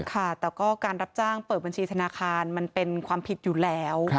ค่ะแต่ก็การรับจ้างเปิดบัญชีธนาคารมันเป็นความผิดอยู่แล้ว